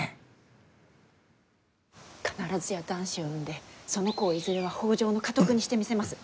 必ずや男子を産んでその子をいずれは北条の家督にしてみせます。